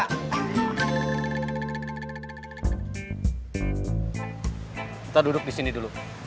kita duduk di sini dulu